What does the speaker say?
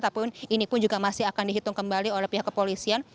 tapi ini pun juga masih akan dihitung kembali oleh pihak kepolisian